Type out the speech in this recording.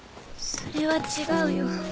それは違うよ。